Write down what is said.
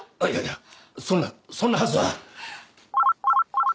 いやいやそんなそんなはずは。